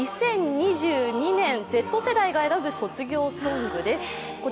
２０２２年Ｚ世代が選ぶ卒業ソングです